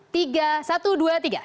tiga satu dua tiga